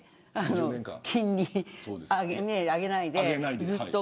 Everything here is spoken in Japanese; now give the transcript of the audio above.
金利上げないで、ずっと。